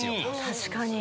確かに。